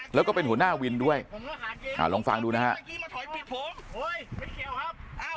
แล้วก็เป็นหัวหน้าวินด้วยลองฟังดูนะฮะ